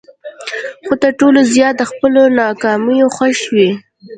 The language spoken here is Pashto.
خو تر ټولو زیات د خپلو ناکامیو خوښ یم.